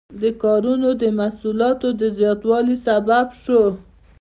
دې کارونو د محصولاتو د زیاتوالي سبب شو.